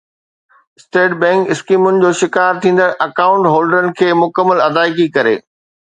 state bank skimming جو شڪار ٿيندڙ اڪائونٽ هولڊرز کي مڪمل ادائيگي ڪري